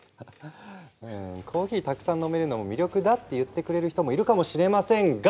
コーヒーたくさん飲めるのも魅力だって言ってくれる人もいるかもしれませんが！